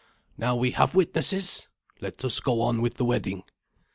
Now we have witnesses. Let us go on with the wedding."